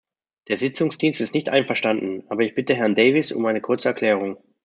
Der Sitzungsdienst ist nicht einverstanden, aber ich bitte Herrn Davies um eine kurze Erklärung.